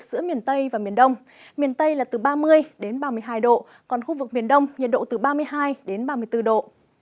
giữa miền tây và miền đông miền tây là từ ba mươi đến ba mươi hai độ còn khu vực miền đông nhiệt độ từ ba mươi hai đến ba mươi bốn độ